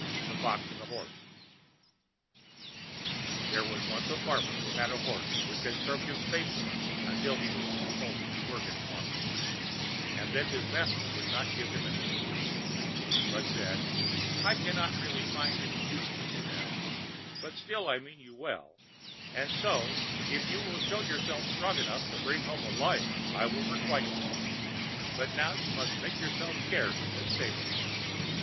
The Fox and the Horse There was once a farmer who had a horse which served him faithfully till he was too old to work any longer, and then his master would not give him anything to eat, but said: "I cannot really find any use for you now, but still I mean you well, and so, if you will show yourself strong enough to bring home a lion, I will requite you; but now you must make yourself scarce in this stable!"